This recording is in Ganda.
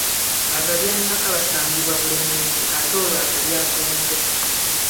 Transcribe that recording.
Abalyannaka basangibwa Bulemeezi, ate olwo Abalyagonja?